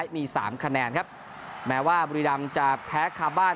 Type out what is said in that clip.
มีสามคะแนนครับแม้ว่าบุรีรำจะแพ้คาบ้าน